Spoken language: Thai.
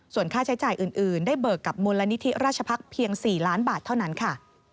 ส่วนค่าใช้จ่ายอื่นได้เบิกกับมูลนิธิราชพักษ์เพียง๔ล้านบาทเท่านั้นค่ะ